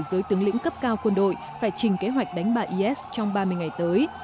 giới tướng lĩnh cấp cao quân đội phải chỉnh kế hoạch đánh bại is trong ba mươi ngày tới